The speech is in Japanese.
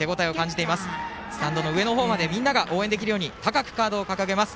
スタンドの上のほうまでみんなが応援できるようにカードを高く掲げます。